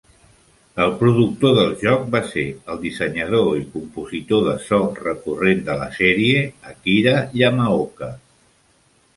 El productor del joc va ser el dissenyador i compositor de so recurrent de la sèrie, Akira Yamaoka.